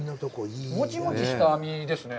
もちもちした身ですね。